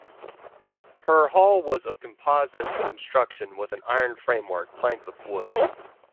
Her hull was of composite construction with an iron framework planked with wood.